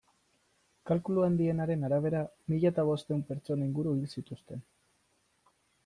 Kalkulu handienaren arabera, mila eta bostehun pertsona inguru hil zituzten.